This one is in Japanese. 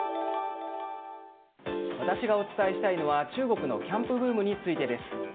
私がお伝えしたいのは、中国のキャンプブームについてです。